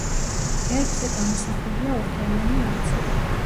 გერბზე გამოსახულია ორთავიანი არწივი.